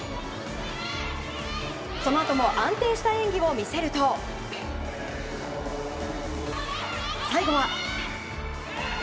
そのあとも安定した演技を見せると最後は。